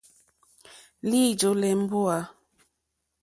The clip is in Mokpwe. Lìjɔ́lɛ̀ mbúà.